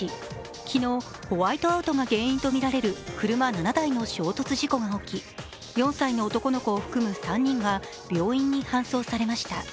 昨日、ホワイトアウトが原因とみられる車７台の衝突事故が起き４歳の男の子を含む３人が病院に搬送されました。